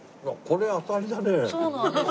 そうなんです。